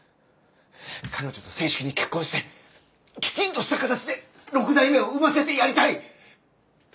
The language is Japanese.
彼女と正式に結婚してきちんとした形で６代目を産ませてやりたい！